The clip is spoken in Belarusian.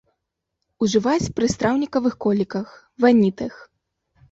Ужываюць пры страўнікавых коліках, ванітах.